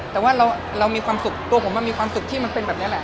แต่ว่าเรามีความสุขตัวผมมีความสุขที่มันเป็นแบบนี้แหละ